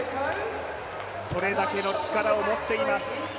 それだけの力を持っています。